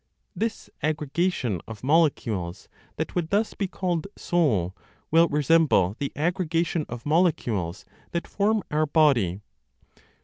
This aggregation of molecules that would thus be called soul will resemble the aggregation of molecules that form our body.